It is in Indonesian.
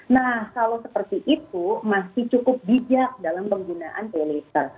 nah kalau seperti itu masih cukup bijak dalam penggunaan paylater